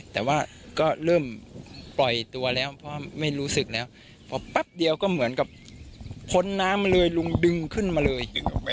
แต่ว่าก็เริ่มปล่อยตัวแล้วเพราะไม่รู้สึกแล้วพอแป๊บเดียวก็เหมือนกับพ้นน้ำมาเลยลุงดึงขึ้นมาเลย